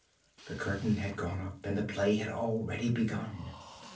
The curtain had gone up and the play had already begun.